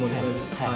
はい。